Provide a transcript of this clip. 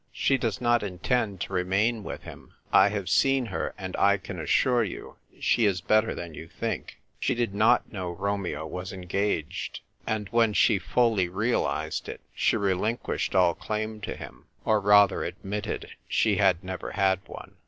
She does not intend to remain with him. I have seen her, and I can assure you she is better than you think. She did not know Romeo I CLING TO THE RIGGING. 257 was engaged ; and when she fully realised it she relinquished all claim to him, or rather admitted she had never had one.